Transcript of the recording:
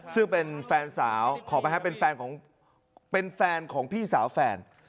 ซึ่งเป็นแฟนสาวขอไปครับเป็นแฟนของเป็นแฟนของพี่สาวแฟน